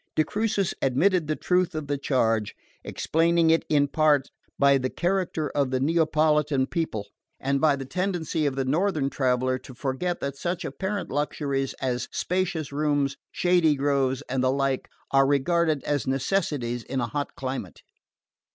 De Crucis admitted the truth of the charge, explaining it in part by the character of the Neapolitan people, and by the tendency of the northern traveller to forget that such apparent luxuries as spacious rooms, shady groves and the like are regarded as necessities in a hot climate.